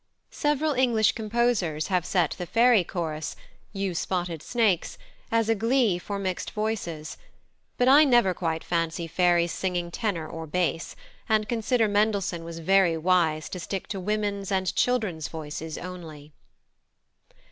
Several English composers have set the fairy chorus, "You spotted snakes," as a glee for mixed voices; but I never quite fancy fairies singing tenor or bass, and consider Mendelssohn was very wise to stick to women's and children's voices only.